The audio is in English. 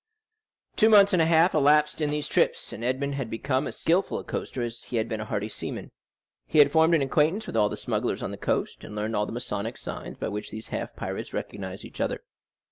Two months and a half elapsed in these trips, and Edmond had become as skilful a coaster as he had been a hardy seaman; he had formed an acquaintance with all the smugglers on the coast, and learned all the Masonic signs by which these half pirates recognize each other.